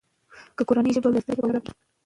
که مورنۍ ژبه وي، نو د زده کړې کچه به لوړه وي.